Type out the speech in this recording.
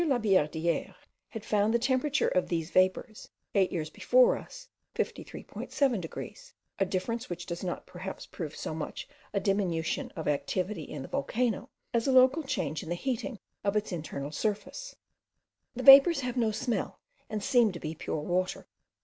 Labillardiere had found the temperature of these vapours, eight years before us, 53.7 degrees; a difference which does not perhaps prove so much a diminution of activity in the volcano, as a local change in the heating of its internal surface. The vapours have no smell, and seem to be pure water.